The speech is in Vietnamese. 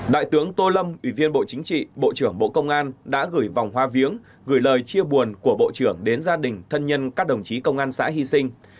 đại tướng tô lâm ủy viên bộ chính trị bộ trưởng bộ công an đã gửi vòng hoa viếng gửi lời chia buồn của bộ trưởng đến gia đình thân nhân các đồng chí công an xã hy sinh